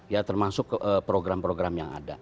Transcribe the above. ya termasuk program program yang ada